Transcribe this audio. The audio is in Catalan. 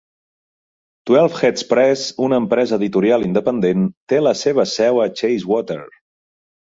Twelveheads Press, una empresa editorial independent, té la seva seu a Chacewater.